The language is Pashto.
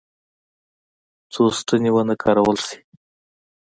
څو ستنې ونه کارول شي.